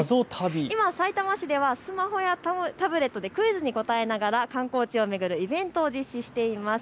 今、さいたま市ではスマホやタブレットでクイズに答えながら観光地を巡るイベントを実施しています。